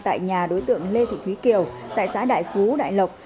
tại nhà đối tượng lê thị thúy kiều tại xã đại phú đại lộc